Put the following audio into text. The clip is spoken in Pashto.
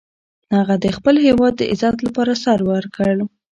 هغه د خپل هیواد د عزت لپاره سر ورکړ.